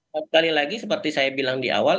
sekali lagi seperti saya bilang di awal